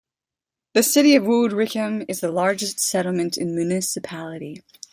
The city of Woudrichem is the largest settlement in the municipality.